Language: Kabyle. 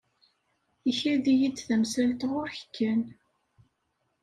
Ikad-iyi-d tamsalt ɣur-k kan.